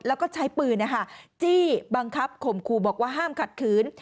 แล้วก็ใช้ปืนจี้บังคับข่มขู่บอกว่าห้ามขัดขืน